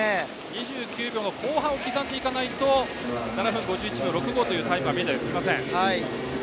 ２９秒後半を刻まないと７分５１秒６５というタイムは見えてきません。